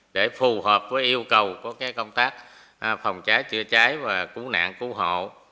để phù hợp với yêu cầu của công tác phòng cháy chữa cháy và cứu nạn cứu hộ